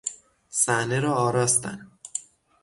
صحنه را آراستن